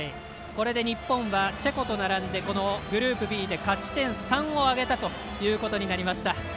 これで日本はチェコと並んでグループＢで勝ち点３を挙げたということになりました。